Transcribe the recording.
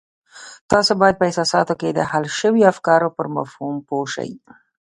تاسې بايد په احساساتو کې د حل شويو افکارو پر مفهوم پوه شئ.